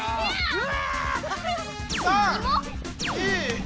うわ！